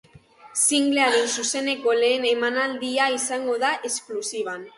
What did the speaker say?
Singlearen zuzeneko lehen emanaldia izango da esklusiban.